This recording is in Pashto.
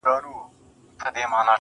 يو خوا يې توره سي تياره ښكاريږي.